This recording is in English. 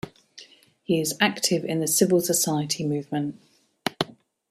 He is active in the civil society movement.